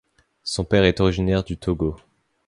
Son père est originaire du Togo.